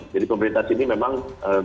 jadi pemerintah sini memang